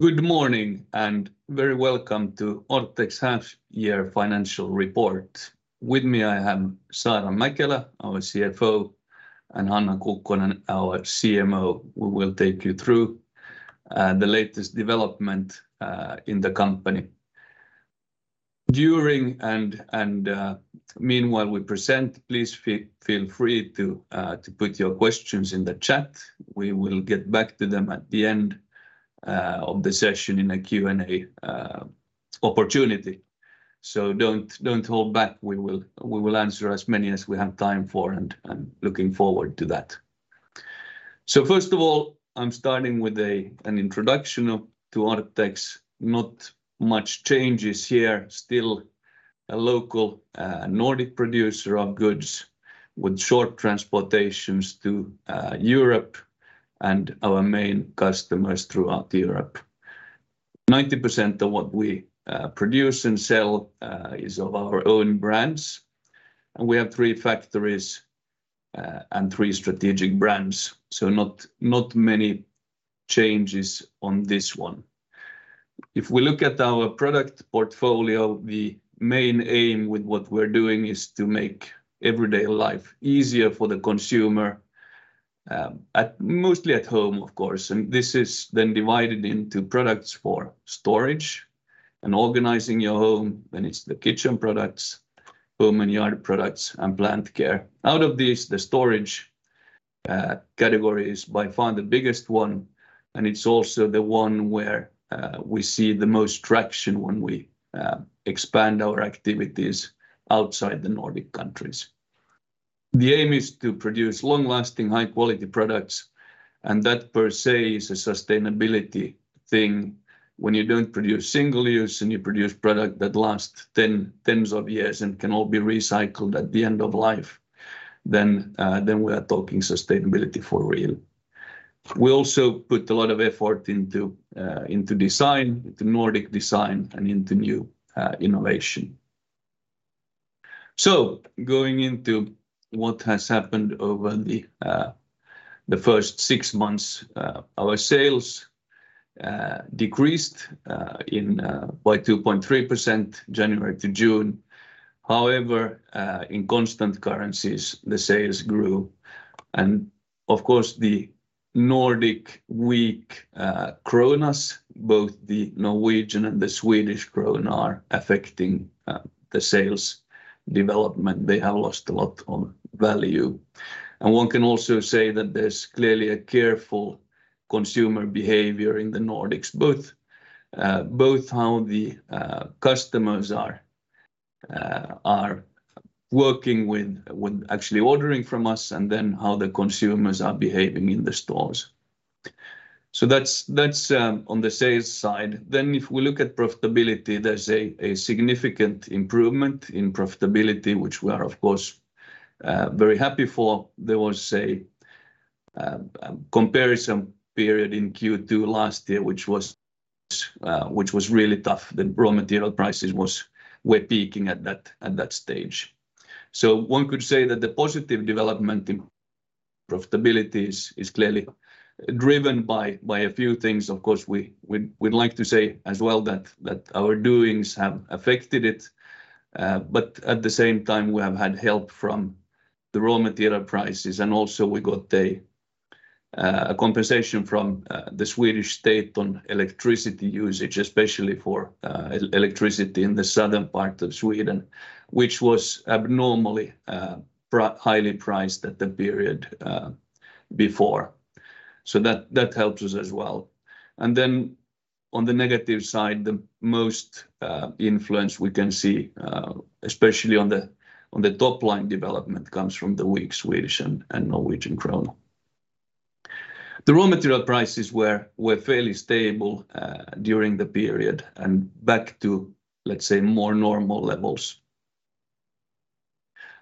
Good morning, and very welcome to Orthex Half-Year Financial Report. With me, I have Saara Mäkelä, our CFO, and Hanna Kukkonen, our CMO. We will take you through the latest development in the company. Meanwhile, please feel free to put your questions in the chat. We will get back to them at the end of the session in a Q&A opportunity. So don't hold back. We will answer as many as we have time for, and I'm looking forward to that. So first of all, I'm starting with an introduction to Orthex. Not much changes here. Still a local Nordic producer of goods with short transportations to Europe and our main customers throughout Europe. 90% of what we produce and sell is of our own brands, and we have three factories and three strategic brands, so not many changes on this one. If we look at our product portfolio, the main aim with what we're doing is to make everyday life easier for the consumer, at mostly at home, of course, and this is then divided into products for storage and organizing your home. Then it's the kitchen products, home and yard products, and plant care. Out of these, the storage category is by far the biggest one, and it's also the one where we see the most traction when we expand our activities outside the Nordic countries. The aim is to produce long-lasting, high-quality products, and that per se is a sustainability thing. When you don't produce single-use, and you produce product that lasts tens of years and can all be recycled at the end of life, then we are talking sustainability for real. We also put a lot of effort into design, into Nordic design, and into new innovation. So going into what has happened over the first six months, our sales decreased by 2.3% January to June. However, in constant currencies, the sales grew, and of course, the Nordic weak kronas, both the Norwegian and the Swedish krona are affecting the sales development. They have lost a lot of value. And one can also say that there's clearly a careful consumer behavior in the Nordics, both how the customers are working with when actually ordering from us and then how the consumers are behaving in the stores. So that's on the sales side. Then, if we look at profitability, there's a significant improvement in profitability, which we are, of course, very happy for. There was a comparison period in Q2 last year, which was really tough. The raw material prices were peaking at that stage. So one could say that the positive development in profitability is clearly driven by a few things. Of course, we'd like to say as well that our doings have affected it. But at the same time we have had help from the raw material prices, and also we got a compensation from the Swedish state on electricity usage, especially for electricity in the southern part of Sweden, which was abnormally highly priced at the period before. So that helps us as well. And then, on the negative side, the most influence we can see, especially on the top line development, comes from the weak Swedish and Norwegian krona. The raw material prices were fairly stable during the period and back to, let's say, more normal levels.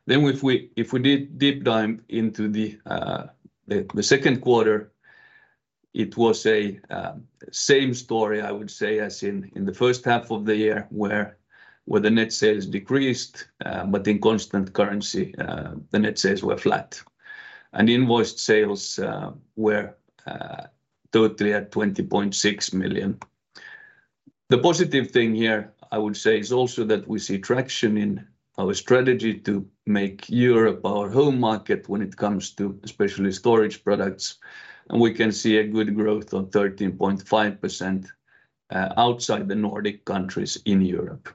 Then if we did deep dive into the second quarter, it was the same story, I would say, as in the first half of the year, where the net sales decreased, but in constant currency, the net sales were flat, and invoiced sales were totally at 20.6 million. The positive thing here, I would say, is also that we see traction in our strategy to make Europe our home market when it comes to especially storage products, and we can see a good growth on 13.5% outside the Nordic countries in Europe.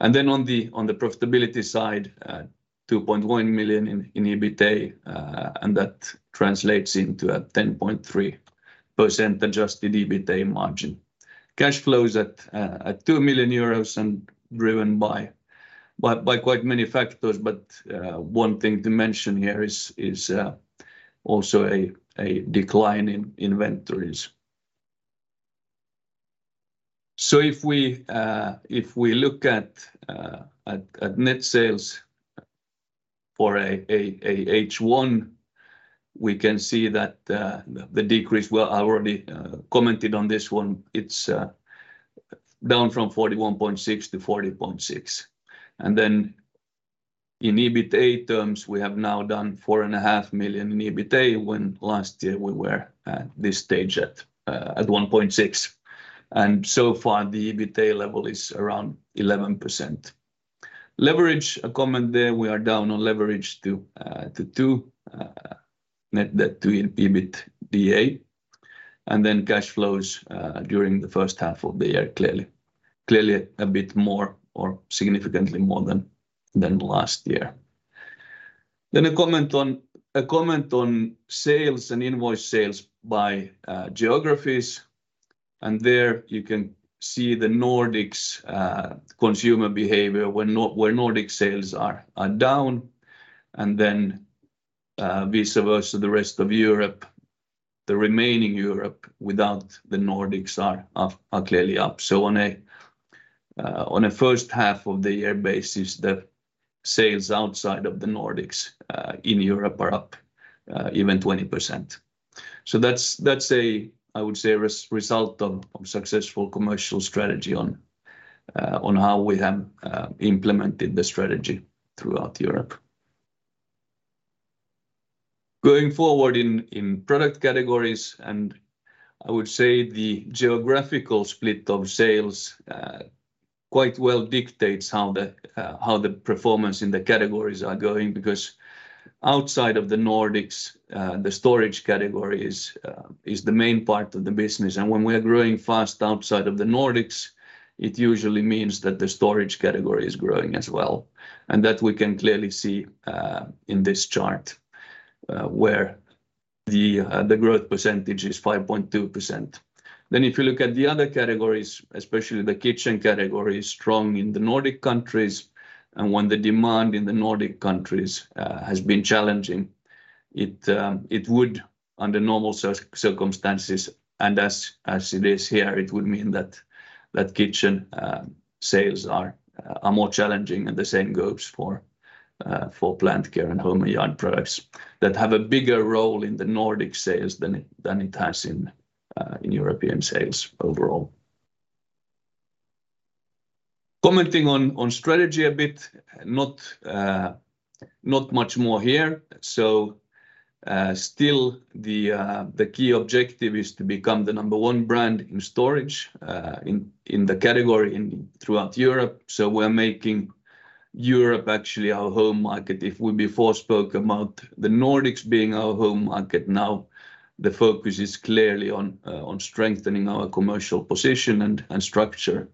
And then on the profitability side, 2.1 million in EBITA, and that translates into a 10.3% adjusted EBITA margin. Cash flow is at 2 million euros and driven by quite many factors, but one thing to mention here is also a decline in inventories. So if we look at net sales for H1, we can see that the decrease. Well, I already commented on this one. It's down from 41.6 million to 40.6 million. And then in EBITDA terms, we have now done 4.5 million in EBITDA, when last year we were at this stage at 1.6 million. And so far, the EBITDA level is around 11%. Leverage, a comment there, we are down on leverage to 2, net debt to EBITDA. And then cash flows during the first half of the year, clearly a bit more or significantly more than last year. Then a comment on sales and invoice sales by geographies, and there you can see the Nordic consumer behavior, where Nordic sales are down, and then vice versa, the rest of Europe. The remaining Europe without the Nordics are clearly up. So on a first half of the year basis, the sales outside of the Nordics in Europe are up even 20%. So that's a, I would say, result of successful commercial strategy on how we have implemented the strategy throughout Europe. Going forward in product categories, and I would say the geographical split of sales quite well dictates how the performance in the categories is going, because outside of the Nordics, the storage category is the main part of the business. And when we are growing fast outside of the Nordics, it usually means that the storage category is growing as well. And that we can clearly see in this chart where the growth percentage is 5.2%. Then if you look at the other categories, especially the kitchen category, is strong in the Nordic countries, and when the demand in the Nordic countries has been challenging, it would, under normal circumstances, and as it is here, it would mean that that kitchen sales are more challenging, and the same goes for plant care and home and yard products that have a bigger role in the Nordic sales than it has in European sales overall. Commenting on strategy a bit, not much more here. So, still, the key objective is to become the number one brand in storage in the category throughout Europe. So we're making Europe actually our home market. If we before spoke about the Nordics being our home market, now the focus is clearly on, on strengthening our commercial position and, and structure,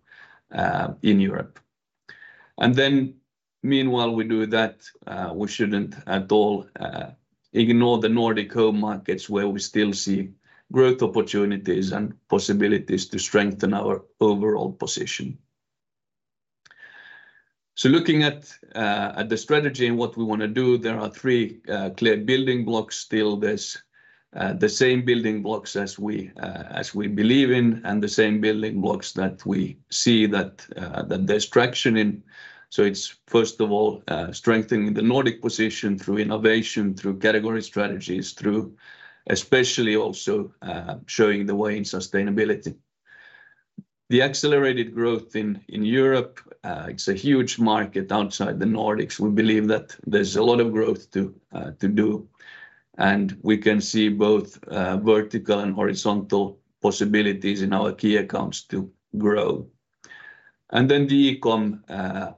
in Europe. And then, meanwhile, we do that, we shouldn't at all, ignore the Nordic home markets, where we still see growth opportunities and possibilities to strengthen our overall position. So looking at, at the strategy and what we want to do, there are three, clear building blocks. Still, there's, the same building blocks as we, as we believe in, and the same building blocks that we see that, that there's traction in. So it's first of all, strengthening the Nordic position through innovation, through category strategies, through especially also, showing the way in sustainability. The accelerated growth in, in Europe, it's a huge market outside the Nordics. We believe that there's a lot of growth to do, and we can see both vertical and horizontal possibilities in our key accounts to grow. And then the e-com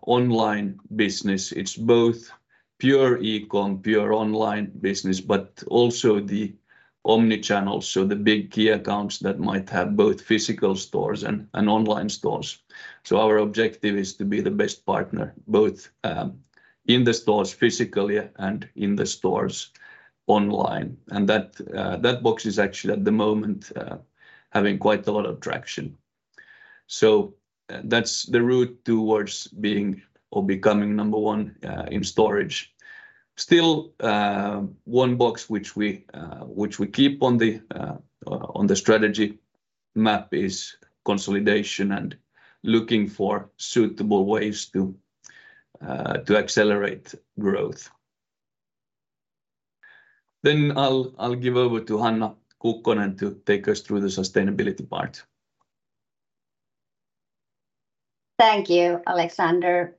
online business, it's both pure e-com, pure online business, but also the omnichannel, so the big key accounts that might have both physical stores and online stores. So our objective is to be the best partner, both in the stores physically and in the stores online. And that box is actually, at the moment, having quite a lot of traction. So that's the route towards being or becoming number one in storage. Still, one box which we keep on the strategy map is consolidation and looking for suitable ways to accelerate growth. Then I'll give over to Hanna Kukkonen to take us through the sustainability part. Thank you, Alexander.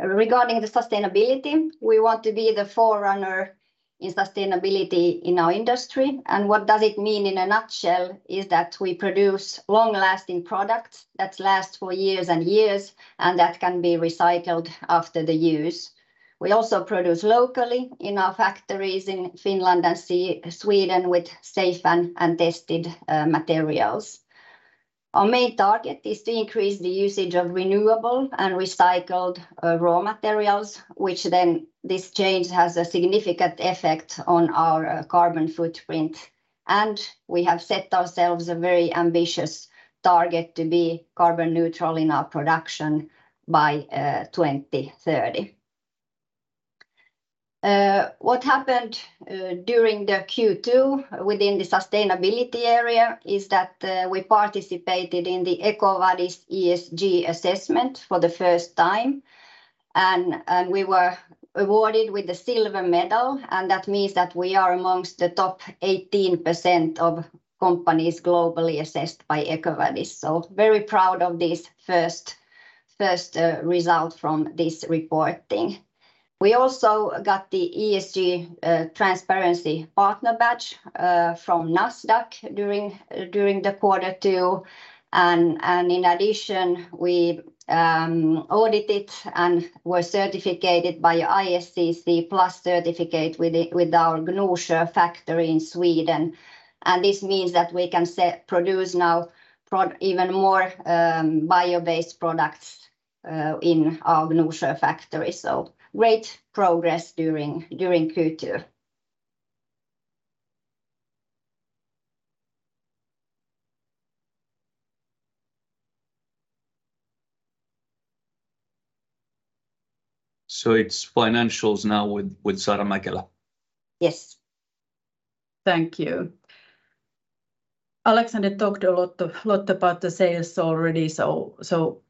Regarding the sustainability, we want to be the forerunner in sustainability in our industry. What does it mean in a nutshell? Is that we produce long-lasting products that last for years and years, and that can be recycled after the use. We also produce locally in our factories in Finland and Sweden with safe and tested materials. Our main target is to increase the usage of renewable and recycled raw materials, which then this change has a significant effect on our carbon footprint. We have set ourselves a very ambitious target to be carbon neutral in our production by 2030. What happened during the Q2 within the sustainability area is that we participated in the EcoVadis ESG assessment for the first time. We were awarded with the Silver medal, and that means that we are among the top 18% of companies globally assessed by EcoVadis. So very proud of this first result from this reporting. We also got the ESG Transparency Partner badge from Nasdaq during the quarter two. And in addition, we audited and were certificated by ISCC PLUS certificate with our Gnosjö factory in Sweden. And this means that we can produce now even more bio-based products in our Gnosjö factory. So great progress during Q2. It's financials now with Saara Mäkelä? Yes. Thank you. Alexander talked a lot about the sales already, so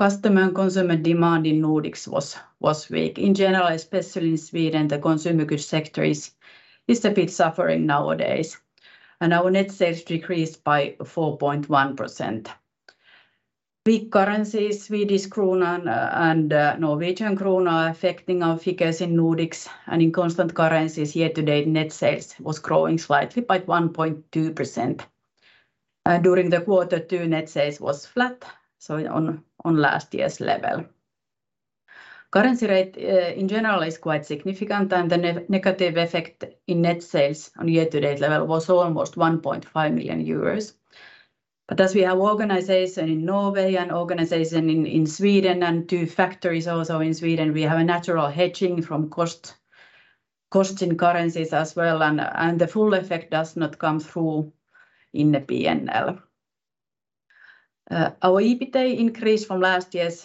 customer and consumer demand in Nordics was weak. In general, especially in Sweden, the consumer goods sector is a bit suffering nowadays, and our net sales decreased by 4.1%. Weak currencies, Swedish krona and Norwegian krone, affecting our figures in Nordics and in constant currencies, year-to-date net sales was growing slightly by 1.2%. During the quarter two, net sales was flat, so on last year's level. Currency rates in general is quite significant, and the negative effect in net sales on year-to-date level was almost 1.5 million euros. But as we have organization in Norway and organization in Sweden and two factories also in Sweden, we have a natural hedging from costs in currencies as well, and the full effect does not come through in the PNL. Our EBITA increased from last year's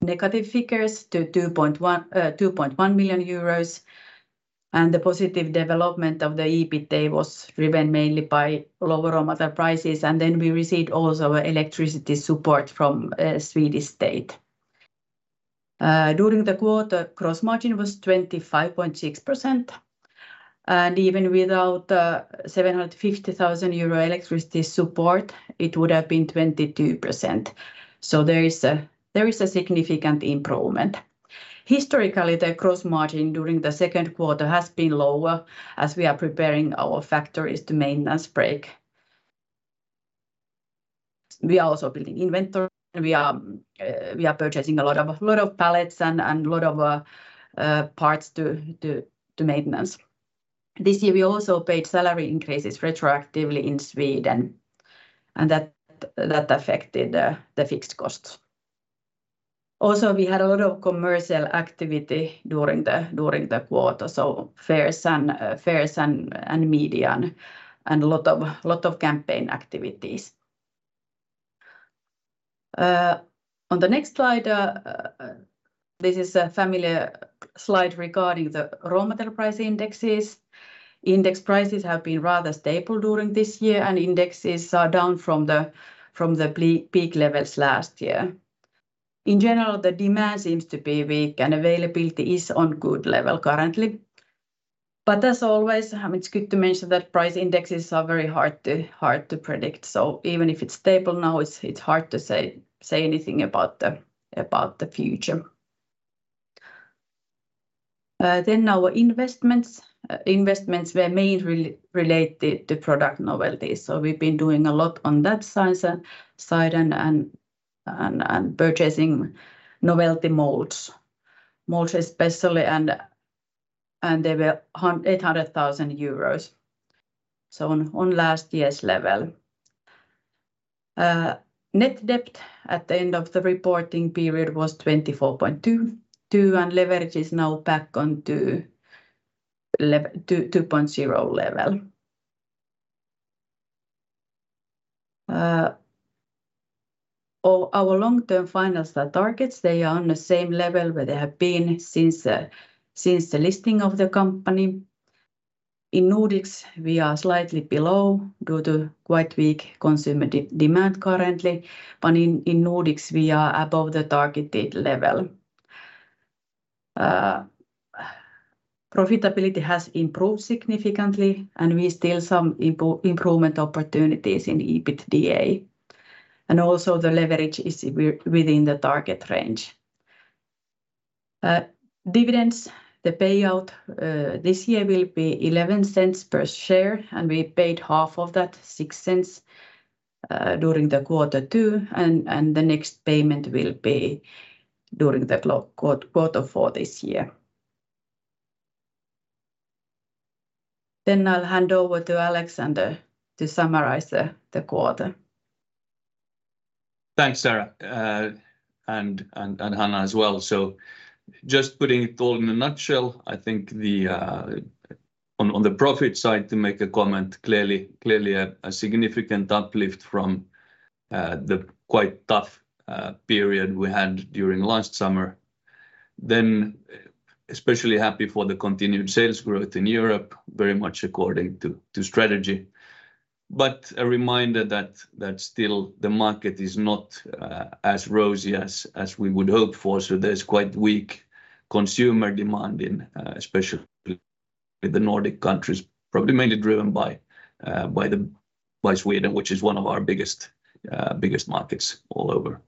negative figures to 2.1 million euros, and the positive development of the EBITA was driven mainly by lower raw material prices, and then we received also electricity support from Swedish state. During the quarter, gross margin was 25.6%, and even without the 750,000 euro electricity support, it would have been 22%. So there is a significant improvement. Historically, the gross margin during the second quarter has been lower as we are preparing our factories to maintenance break. We are also building inventory, and we are purchasing a lot of pallets and a lot of parts to maintenance. This year, we also paid salary increases retroactively in Sweden, and that affected the fixed costs. Also, we had a lot of commercial activity during the quarter, so fairs and media and a lot of campaign activities. On the next slide, this is a familiar slide regarding the raw material price indices. Index prices have been rather stable during this year, and indexes are down from the peak levels last year. In general, the demand seems to be weak, and availability is on good level currently. But as always, it's good to mention that price indexes are very hard to predict, so even if it's stable now, it's hard to say anything about the future. Then our investments. Investments were mainly related to product novelties, so we've been doing a lot on that sustainability side and purchasing novelty molds especially, and they were 800 thousand euros, so on last year's level. Net debt at the end of the reporting period was 24.2 million, and leverage is now back onto 2.0 level. Our long-term financial targets, they are on the same level where they have been since the listing of the company. In Nordics, we are slightly below due to quite weak consumer demand currently, but in Nordics, we are above the targeted level. Profitability has improved significantly, and we still some improvement opportunities in EBITDA. And also the leverage is within the target range. Dividends, the payout this year will be 0.11 per share, and we paid half of that, 0.06, during quarter two, and the next payment will be during Q4 this year. Then I'll hand over to Alexander to summarize the quarter. Thanks, Saara, and Hanna as well. So just putting it all in a nutshell, I think on the profit side, to make a comment, clearly a significant uplift from the quite tough period we had during last summer. Especially happy for the continued sales growth in Europe, very much according to strategy. But a reminder that still the market is not as rosy as we would hope for. So there's quite weak consumer demand in especially with the Nordic countries, probably mainly driven by Sweden, which is one of our biggest markets all over.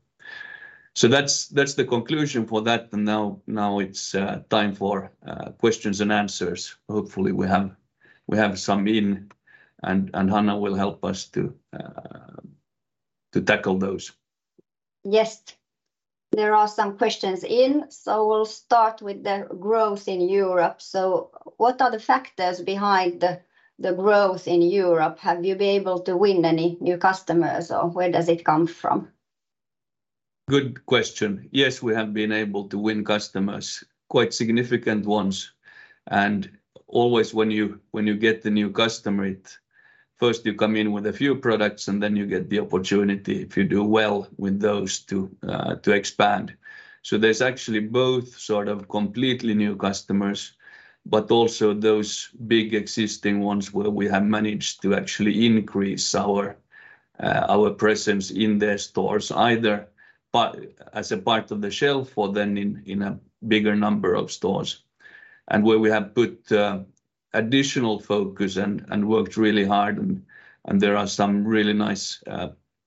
So that's the conclusion for that, and now it's time for questions and answers. Hopefully, we have some in, and Hanna will help us to tackle those. Yes. There are some questions in, so we'll start with the growth in Europe. What are the factors behind the growth in Europe? Have you been able to win any new customers, or where does it come from? Good question. Yes, we have been able to win customers, quite significant ones. And always when you get the new customer, first you come in with a few products, and then you get the opportunity, if you do well with those, to expand. So there's actually both sort of completely new customers, but also those big existing ones, where we have managed to actually increase our presence in their stores, either as a part of the shelf or then in a bigger number of stores. And where we have put additional focus and worked really hard, and there are some really nice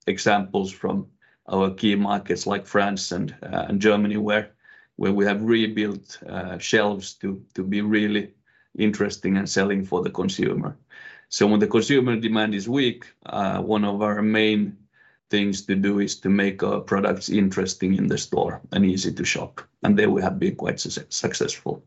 examples from our key markets like France and Germany, where we have rebuilt shelves to be really interesting and selling for the consumer. So when the consumer demand is weak, one of our main things to do is to make our products interesting in the store and easy to shop, and there we have been quite successful.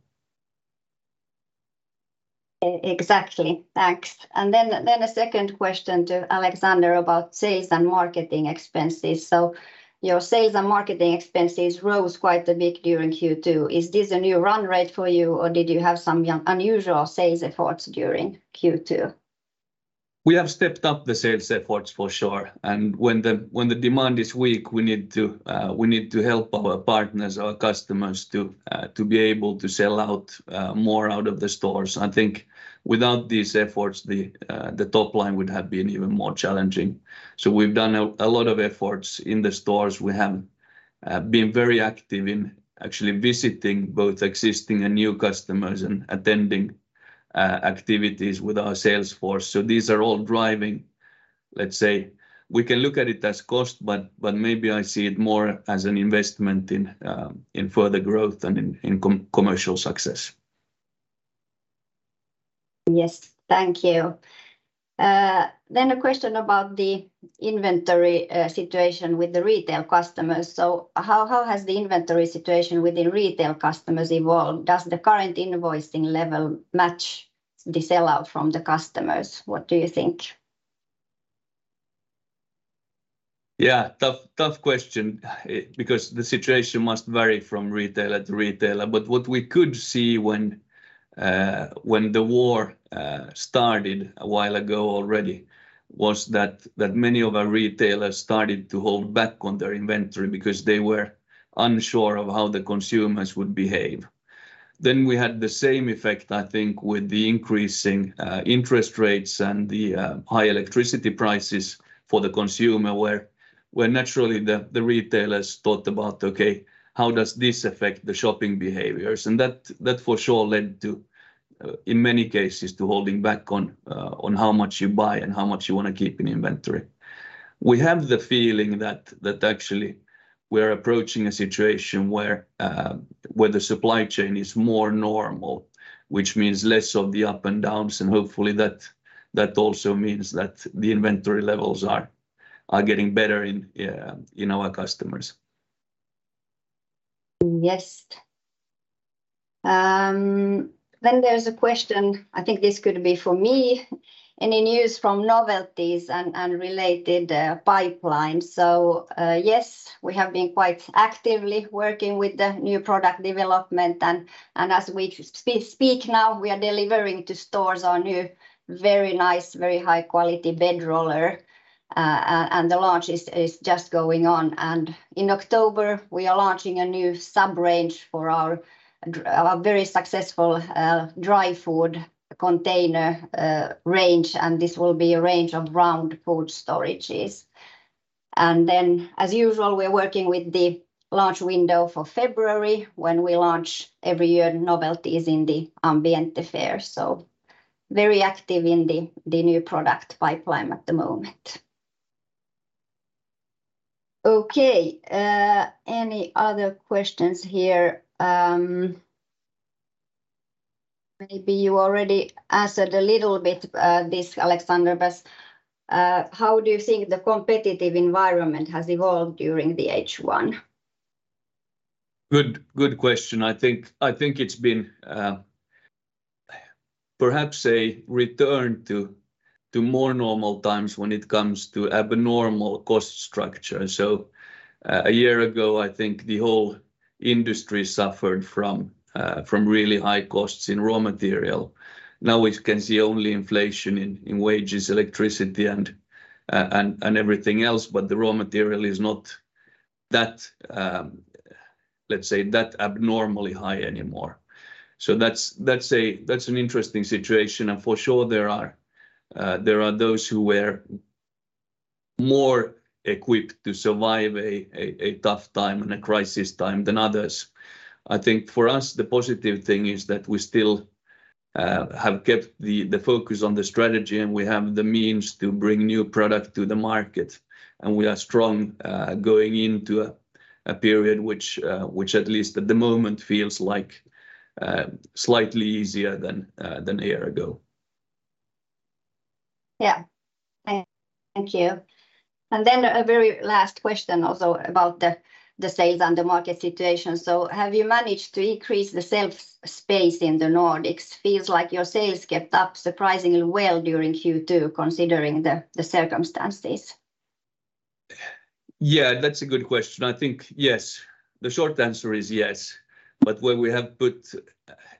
Exactly. Thanks. And then a second question to Alexander about sales and marketing expenses. So your sales and marketing expenses rose quite a bit during Q2. Is this a new run rate for you, or did you have some unusual sales efforts during Q2? We have stepped up the sales efforts, for sure, and when the demand is weak, we need to help our partners, our customers, to be able to sell out more out of the stores. I think without these efforts, the top line would have been even more challenging. So we've done a lot of efforts in the stores. We have been very active in actually visiting both existing and new customers and attending activities with our sales force. So these are all driving. Let's say, we can look at it as cost, but maybe I see it more as an investment in further growth and in commercial success. Yes. Thank you. Then a question about the inventory situation with the retail customers. So how has the inventory situation with the retail customers evolved? Does the current invoicing level match the sell-out from the customers? What do you think? Yeah, tough, tough question, because the situation must vary from retailer to retailer. But what we could see when the war started a while ago already was that many of our retailers started to hold back on their inventory because they were unsure of how the consumers would behave. Then we had the same effect, I think, with the increasing interest rates and the high electricity prices for the consumer, where naturally the retailers thought about, "Okay, how does this affect the shopping behaviors?" And that for sure led to, in many cases, to holding back on how much you buy and how much you want to keep in inventory. We have the feeling that actually we're approaching a situation where the supply chain is more normal, which means less of the up and downs, and hopefully that also means that the inventory levels are getting better in our customers. Yes. Then there's a question, I think this could be for me. Any news from novelties and related pipelines? So, yes, we have been quite actively working with the new product development, and as we speak now, we are delivering to stores our new, very nice, very high-quality bed roller, and the launch is just going on. And in October, we are launching a new sub-range for our very successful dry food container range, and this will be a range of round food storages. And then, as usual, we're working with the launch window for February, when we launch every year novelties in the Ambiente fair, so very active in the new product pipeline at the moment. Okay, any other questions here? Maybe you already answered a little bit, Alexander, but how do you think the competitive environment has evolved during the H1? Good, good question. I think, I think it's been perhaps a return to more normal times when it comes to abnormal cost structure. So, a year ago, I think the whole industry suffered from really high costs in raw material. Now, we can see only inflation in wages, electricity, and everything else, but the raw material is not that, let's say, that abnormally high anymore. So that's an interesting situation, and for sure, there are those who were more equipped to survive a tough time and a crisis time than others. I think for us, the positive thing is that we still have kept the focus on the strategy, and we have the means to bring new product to the market, and we are strong going into a period which at least at the moment feels like slightly easier than a year ago. Yeah. Thank you. And then a very last question also about the sales and the market situation. So have you managed to increase the shelf space in the Nordics? Feels like your sales kept up surprisingly well during Q2, considering the circumstances. Yeah, that's a good question. I think, yes. The short answer is yes, but where we have put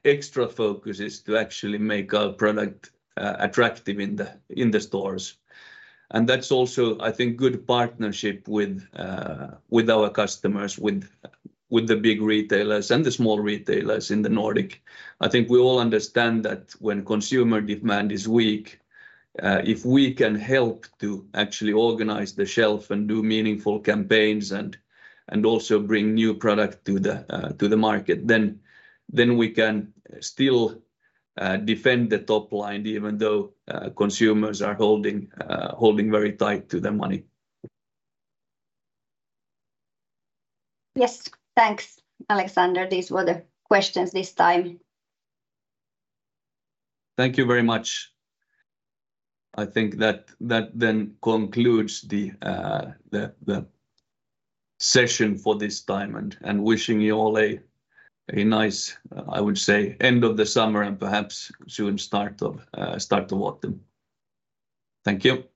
extra focus is to actually make our product attractive in the stores. And that's also, I think, good partnership with our customers, with the big retailers and the small retailers in the Nordics. I think we all understand that when consumer demand is weak, if we can help to actually organize the shelf and do meaningful campaigns and also bring new product to the market, then we can still defend the top line, even though consumers are holding very tight to their money. Yes. Thanks, Alexander. These were the questions this time. Thank you very much. I think that then concludes the session for this time, and wishing you all a nice, I would say, end of the summer and perhaps soon start of autumn. Thank you. Yeah.